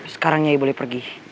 sekarang nyai boleh pergi